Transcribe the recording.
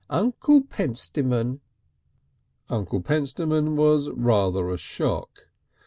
Uncle Pentstemon!" Uncle Pentstemon was rather a shock.